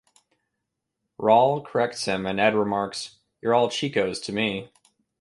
Raul corrects him and Ed remarks, You're all Chicos to me.